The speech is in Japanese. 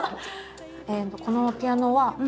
このピアノは。